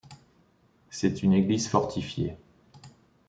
C'est une église fortifiée.